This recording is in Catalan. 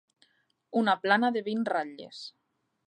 Una plana de vint ratlles.